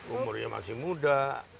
umurnya masih muda